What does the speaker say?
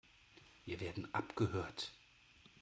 Wir werden abgehört.